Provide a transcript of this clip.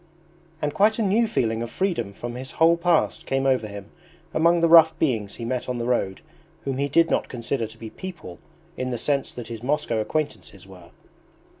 And quite a new feeling of freedom from his whole past came over him among the rough beings he met on the road whom he did not consider to be PEOPLE in the sense that his Moscow acquaintances were.